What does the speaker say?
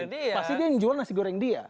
pasti dia yang jual nasi goreng dia